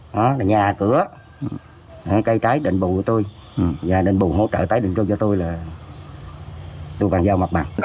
đó là nhà cửa cây trái đền bù của tôi và đền bù hỗ trợ trái đền trôi cho tôi là tôi bàn giao mặt bằng